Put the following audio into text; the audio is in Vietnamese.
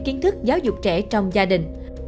kiến thức giáo dục trẻ trong gia đình